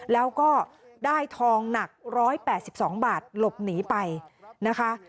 แล้วก็ได้ทองหนัก๑๘๒บาทหลบหนีไปนะคะ